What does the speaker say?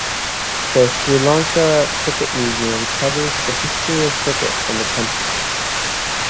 The Sri Lanka Cricket Museum covers the history of cricket in the country.